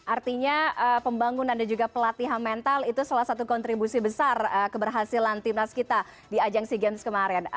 artinya pembangunan dan juga pelatihan mental itu salah satu kontribusi besar keberhasilan timnas kita di ajang sea games kemarin